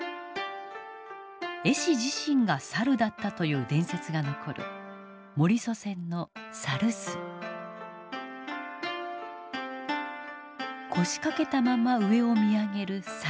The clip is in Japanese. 絵師自身が猿だったという伝説が残る腰掛けたまま上を見上げる猿。